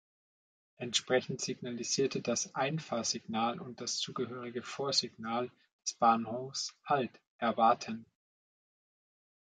Entsprechend signalisierte das Einfahrsignal und das zugehörige Vorsignal des Bahnhofs „Halt erwarten“.